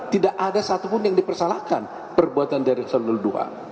tidak ada satupun yang dipersoalkan perbuatan dari paslon nomor dua